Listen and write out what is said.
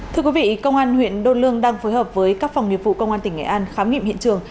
thưa quý vị công an huyện đô lương đang phối hợp với các phòng nghiệp vụ công an tỉnh nghệ an khám nghiệm hiện trường